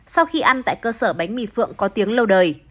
sau khi ăn tại cơ sở bánh mì phượng có tiếng lâu đời